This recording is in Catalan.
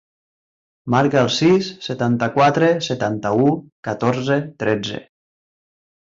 Marca el sis, setanta-quatre, setanta-u, catorze, tretze.